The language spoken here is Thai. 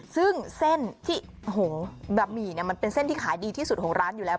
ซึ่งเส้นที่หงบะหมี่มันเป็นเส้นที่ขายดีที่สุดของร้านอยู่แล้ว